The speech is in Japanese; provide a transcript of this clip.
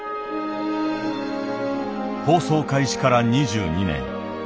放送開始から２２年。